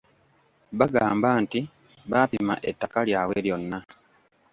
Bagamba nti baapima ettaka lyabwe lyona.